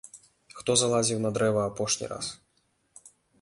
Хто залазіў на дрэва апошні раз?